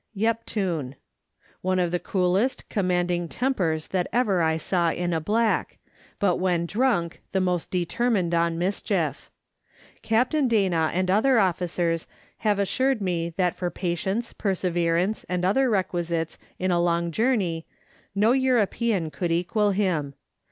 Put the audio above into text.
Yuptun (Yeap lune). One of the coolest, commanding tempers that ever I knew in a black, but when drunk the most determined on mischief. Captain Dana and other officers have assured me that for patience, perseverance, and other requisites in a long journey no European could equal him.